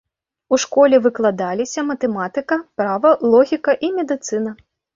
У школе выкладаліся матэматыка, права, логіка і медыцына.